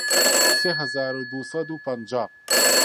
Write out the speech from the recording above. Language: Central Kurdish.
سێ هەزار و دوو سەد و پەنجا